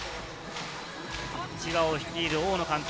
千葉を率いる大野監督。